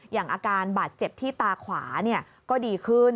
อย่างอาการบาดเจ็บที่ตาขวาก็ดีขึ้น